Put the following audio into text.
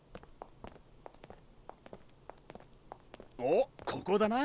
おっここだな。